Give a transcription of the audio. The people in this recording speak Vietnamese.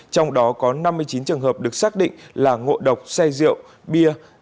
trong đó có năm mươi chín trường hợp được xác định là ngộ độc say rượu bia